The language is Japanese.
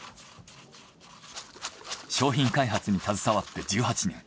商品開発に携わって１８年。